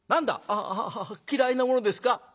「あああ嫌いなものですか？